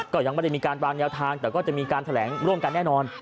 ก็ยังไม่ได้มีการวางแนวทางแต่ก็จะมีการแถลงร่วมกันแน่นอน